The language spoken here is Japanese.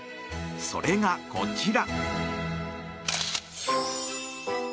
それが、こちら。